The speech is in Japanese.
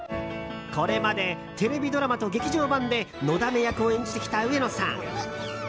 これまでテレビドラマと劇場版でのだめ役を演じてきた上野さん。